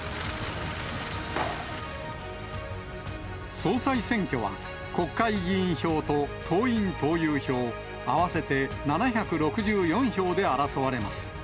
総裁選挙は国会議員票と党員・党友票合わせて７６４票で争われます。